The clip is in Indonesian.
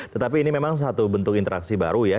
tetapi ini memang satu bentuk interaksi baru ya